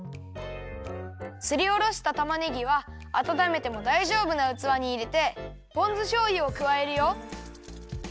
すりおろしたたまねぎはあたためてもだいじょうぶなうつわにいれてポン酢しょうゆをくわえるよ。